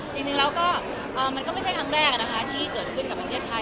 จริงแล้วก็มันก็ไม่ใช่ครั้งแรกนะคะที่เกิดขึ้นกับประเทศไทย